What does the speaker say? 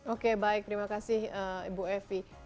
oke baik terima kasih ibu evi